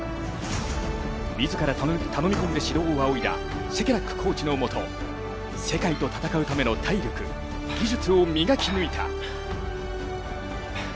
自ら頼み込んで指導をあおいだシェケラックコーチのもと、世界と戦うための体力、技術を磨き抜いた。